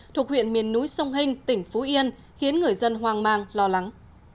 thuộc huyện miền núi sông hinh tỉnh phú yên khiến người dân hoang mang lo lắng